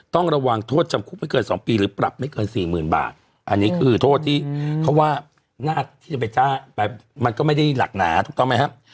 ต้องระวังโทษจำคุกไม่เกิน๒ปีหรือปรับไม่เกินสี่หมื่นบาทอันนี้คือโทษที่เขาว่าหน้าที่จะไปมันก็ไม่ได้หนักหนาถูกต้องไหมครับ